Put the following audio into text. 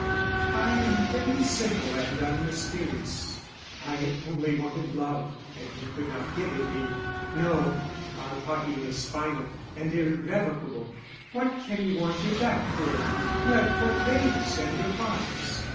I am very simple and unmysterious. I only wanted love, and you could not give it me. No, our parting is final and irrevocable. What can you want me back for? You have Court Leys and your farms.